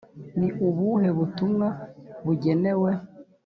ni ubuhe butumwa bugenewe?